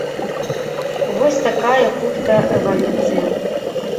Вось такая хуткая эвалюцыя.